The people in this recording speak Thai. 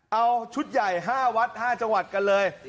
เอาชุดใหญ่๕วัด๕จังหวัดกันเลย